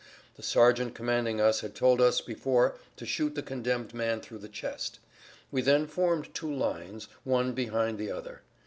The sergeant commanding us had told us before to shoot the condemned man through the chest. We then formed two lines, one behind the other.